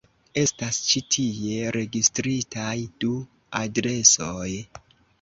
Estas ĉi tie registritaj du adresoj.